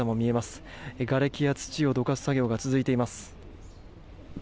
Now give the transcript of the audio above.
がれきや土をどかす作業が続いています。